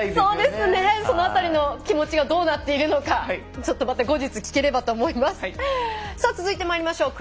あの辺りの気持ちがどうなっているのかちょっとまた後日聞ければと思います。